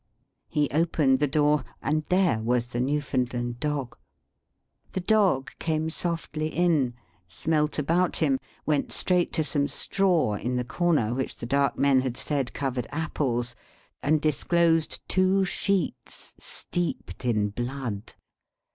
He opened the door, and there was the Newfoundland dog! The dog came softly in, smelt about him, went straight to some straw in the corner which the dark men had said covered apples, tore the straw away, and disclosed two sheets steeped in blood.